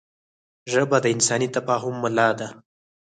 ژبه د انساني تفاهم ملا ده